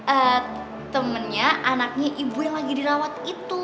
eh temennya anaknya ibu yang lagi dirawat itu